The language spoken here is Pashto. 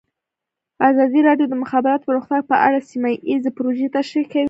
ازادي راډیو د د مخابراتو پرمختګ په اړه سیمه ییزې پروژې تشریح کړې.